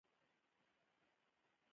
جګر ګټور دی.